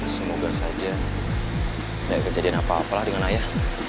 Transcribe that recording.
semoga saja gak kejadian apa apa lah dengan ayah